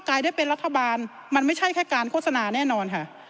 ลายได้เป็นรัฐบาลมันไม่ใช่แค่การโฆษณาแน่นอนค่ะ